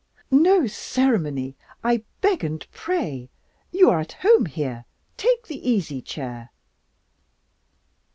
"No ceremony, I beg and pray! You are at home here take the easy chair!"